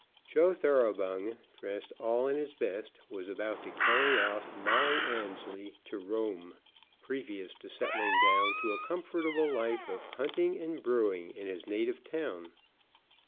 Joe Thoroughbung, dressed all in his best, was about to carry off Molly Annesley to Rome previous to settling down to a comfortable life of hunting and brewing in his native town.